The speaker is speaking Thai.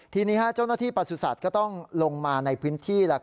ทีนี้เจ้าหน้าที่ประสุทธิ์ก็ต้องลงมาในพื้นที่